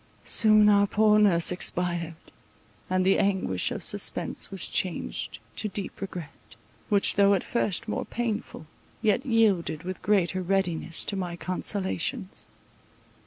Soon our poor nurse expired; and the anguish of suspense was changed to deep regret, which though at first more painful, yet yielded with greater readiness to my consolations.